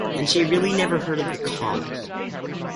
And she really never heard of the cause!